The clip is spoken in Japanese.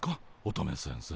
乙女先生。